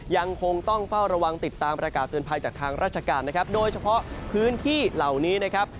ยังคงต้องเฝ้าระวังติดตามประกาศเตือนภัยจากทางราชการนะครับโดยเฉพาะพื้นที่เหล่านี้นะครับ